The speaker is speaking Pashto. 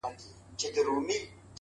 زحمت هیڅکله ضایع نه ځي؛